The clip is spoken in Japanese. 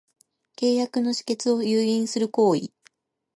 契約の締結を誘引する行為